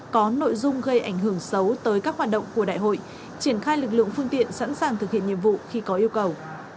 có nội dung gây ảnh hưởng xấu tới các hoạt động của đại hội triển khai lực lượng phương tiện sẵn sàng thực hiện nhiệm vụ khi có yêu cầu